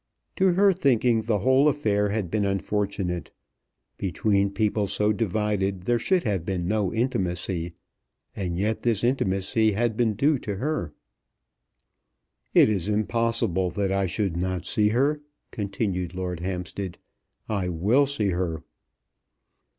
To her thinking the whole affair had been unfortunate. Between people so divided there should have been no intimacy, and yet this intimacy had been due to her. "It is impossible that I should not see her," continued Lord Hampstead. "I will see her."